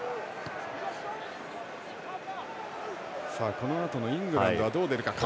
このあとイングランドはどう出るか。